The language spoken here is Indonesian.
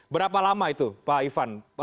berapa lama itu pak ivan